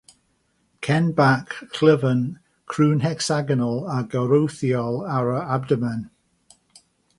Cen bach, llyfn, crwn-hecsagonal a gorwthiol ar yr abdomen.